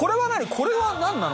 これは何なの？